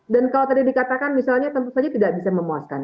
dan kalau tadi dikatakan misalnya tentu saja tidak bisa memuaskan